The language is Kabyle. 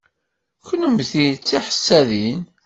Kennemti d tiḥessadin.